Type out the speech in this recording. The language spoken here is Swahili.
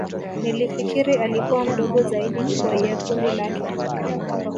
Nilifikiri alikua mdogo zaidi kweye kundi lake